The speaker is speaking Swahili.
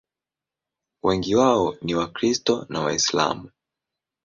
Wengi wao ni Wakristo na Waislamu.